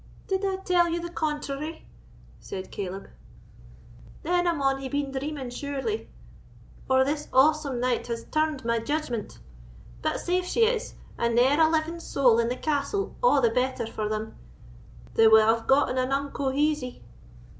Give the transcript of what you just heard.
"Did I tell you the contrary?" said Caleb; "then I maun hae been dreaming surely, or this awsome night has turned my judgment; but safe she is, and ne'er a living soul in the castle, a' the better for them: they wau have gotten an unco heezy."